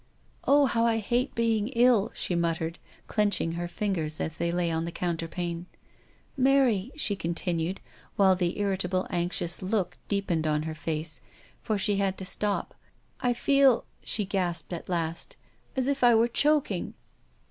" Oh, how I hate being ill," she muttered, clenching her fingers as they lay on the coun terpane. "Mary," she continued, while the irritable anxious look deepened on her face — she had to stop —" I feel," she gasped at last, " as if I were choking."